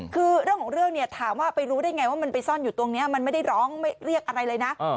คือเรื่องของเรื่องเนี่ยถามว่าไปรู้ได้ไงว่ามันไปซ่อนอยู่ตรงนี้มันไม่ได้ร้องเรียกอะไรเลยนะ